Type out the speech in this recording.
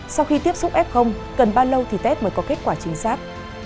sau khi tiếp xúc f cần bao lâu thì tết mới có kết quả chính xác